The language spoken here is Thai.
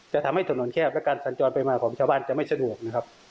จะทำให้ถนนแคบและการสัญจรไปมาของชาวบ้านจะไม่สะดวกนะครับ